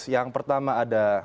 yang pertama ada